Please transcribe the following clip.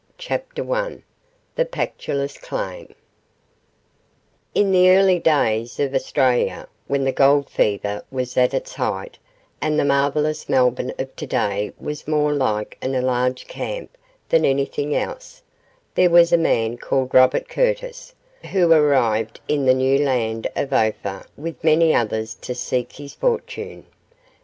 CHAPTER I THE PACTOLUS CLAIM In the early days of Australia, when the gold fever was at its height, and the marvellous Melbourne of to day was more like an enlarged camp than anything else, there was a man called Robert Curtis, who arrived in the new land of Ophir with many others to seek his fortune.